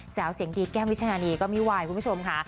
สาวเสียงดีแก้มวิชนานีก็ไม่วายคุณผู้ชมค่ะ